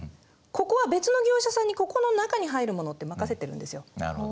ここは別の業者さんにここの中に入るものって任せてるんですよ。